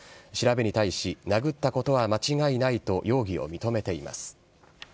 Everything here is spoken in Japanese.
調べに対し、殴ったことは間違いないと容疑を認めています。